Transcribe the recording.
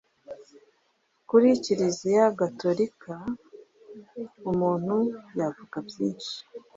Kuri Kiliziya gatolika umuntu yavuga byinshi,